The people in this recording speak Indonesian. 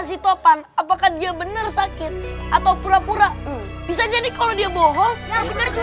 si topan apakah dia benar sakit atau pura pura bisa jadi kalau dia bohong ya benar